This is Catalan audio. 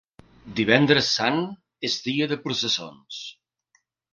Divendres Sant és dia de processons.